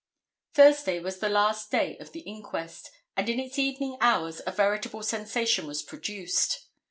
Thursday was the last day of the inquest, and in its evening hours a veritable sensation was produced.